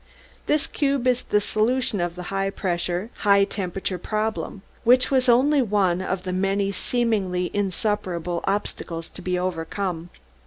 This cube is the solution of the high pressure, high temperature problem, which was only one of the many seemingly insuperable obstacles to be overcome.